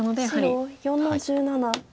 白４の十七。